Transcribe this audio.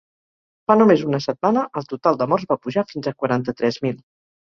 Fa només una setmana el total de morts va pujar fins a quaranta-tres mil.